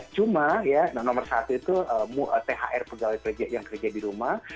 cuma ya nomor satu itu thr pegawai yang kerja di rumah